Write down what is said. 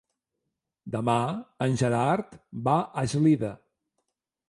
Demà en Gerard va a Eslida.